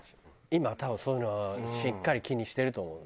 今は多分そういうのをしっかり気にしてると思う。